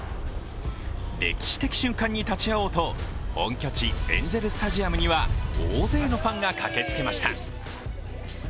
歴史的瞬間に立ち会おうと、本拠地エンゼルスタジアムには大勢のファンが駆けつけました。